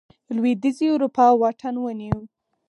لوېدیځې اروپا واټن ونیو.